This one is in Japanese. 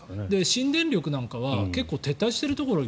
新電力なんかは撤退しているところこの間